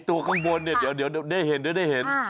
ไอ้ตัวข้างบนเนี่ยเดี๋ยวได้เห็น